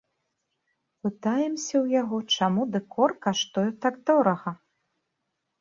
Пытаемся ў яго, чаму дэкор каштуе так дорага.